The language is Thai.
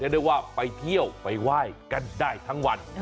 ได้ว่าไปเที่ยวไปไหว้กันได้ทั้งวัน